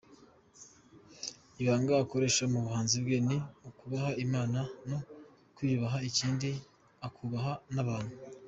Ibanga akoresha mu buhanzi bwe ni ukubaha Imana no kwiyubaha ikindi akubaha n’abantu.